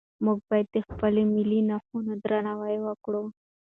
موږ باید د خپلو ملي نښانو درناوی وکړو.